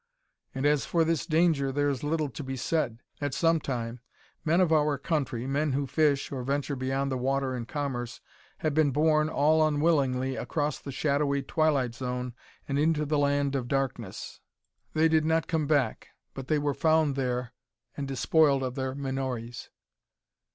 "And as for this danger, there is little to be said. At some time, men of our country, men who fish, or venture upon the water in commerce, have been borne, all unwillingly, across the shadowy twilight zone and into the land of darkness. They did not come back, but they were found there and despoiled of their menores.